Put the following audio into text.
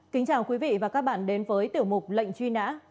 kính chào quý vị và các bạn đến với tiểu mục lệnh truy nã